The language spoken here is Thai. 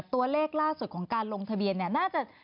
ตัวเลขล่าสุดของการลงทะเบียน